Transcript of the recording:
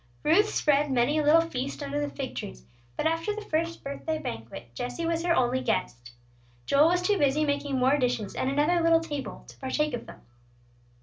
Ruth spread many a little feast under the fig trees; but after the first birthday banquet, Jesse was her only guest. Joel was too busy making more dishes and another little table, to partake of them.